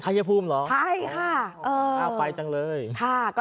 ชายภูมิเหรอเออไปจังเลยใช่ค่ะ